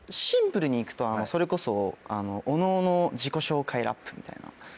シンプルに行くとそれこそ各々自己紹介ラップみたいな。